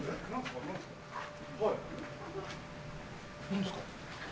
何ですか？